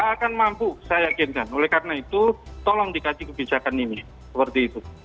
ngapain mampu saya jako cukai karena itu tolong dikaji kebijakan imi seperti itu